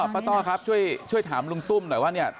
ต้อครับช่วยถามลุงตุ้มหน่อยว่าเนี่ย